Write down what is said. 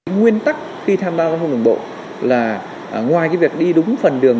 nguyên tắc khi tham gia giao thông đường bộ là ngoài việc đi đúng phần đường